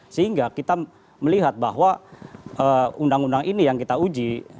sehingga kita melihat bahwa undang undang ini yang kita uji